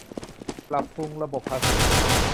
ปรับปรุงระบบภาษี